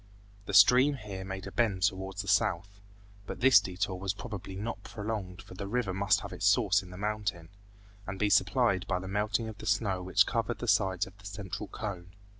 The stream here made a bend towards the south, but this detour was probably not prolonged for the river must have its source in the mountain, and be supplied by the melting of the snow which covered the sides of the central cone.